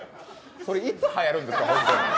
それ、いつ、はやるんですか？